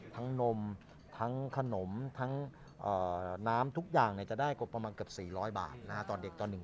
นมทั้งขนมทั้งน้ำทุกอย่างจะได้กบประมาณเกือบ๔๐๐บาทตอนเด็กตอน๑